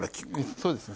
そうですね